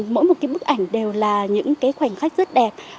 mỗi một bức ảnh đều là những khoảnh khắc rất đẹp